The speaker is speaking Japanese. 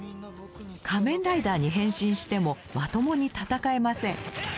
仮面ライダーに変身してもまともに戦えません。